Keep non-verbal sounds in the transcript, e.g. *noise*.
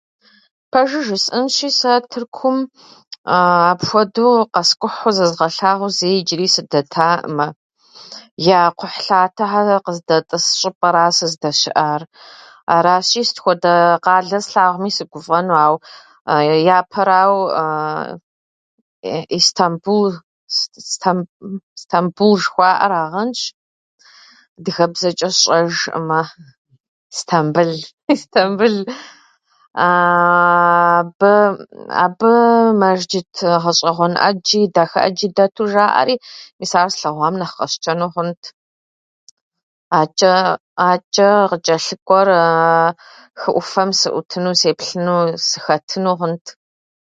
Пэжу жысӏэнщи, сэ Тыркум *hesitation* апхуэду къэскӏухьу, зэзгъэлъагъуу зэи иджыри сыдэтатэӏымэ. Я кхъухьлъатэхьэр къыздэтӏыс щӏыпӏэра сыздэщыӏар. Аращи, сыт хуэдэ къалэ слъагъуми сыгуфӏэну ауэ япэрауэ, *hesitation* Истамбул *unintelligible* Стамбул жыхуаӏэрагъэнщ адыгэбзэчӏэ сщӏэжӏымэ... Стамбыл, Истамбыл *laughs* Аабы абы мэжджыт гъэщӏэгъуэн ӏэджи, дахэ ӏэджи дэту жаӏэри, мис ар слъэгъуам нэхъ къэсщтэну хъунт. атчӏэ- Атчӏэ къычӏэлъыкӏуэр *hesitation* хы ӏуфэм сыӏутыну, сеплъыну, сыхэтыну хъунт.